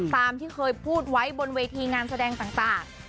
ตามที่เคยพูดไว้บนเวทีงานแสดงต่าง